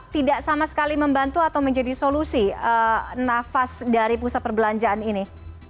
tidak sama sekali membantu atau menjadi solusi nafas dari pusat perbelanjaan ini